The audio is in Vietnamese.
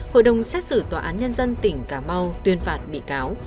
hội đồng xét xử tòa án nhân dân tỉnh cà mau tuyên phạt bị cáo